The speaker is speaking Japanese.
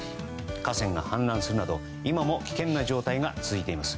河川が氾濫するなど今も危険な状態が続いています。